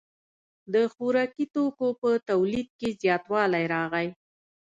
د خوراکي توکو په تولید کې زیاتوالی راغی.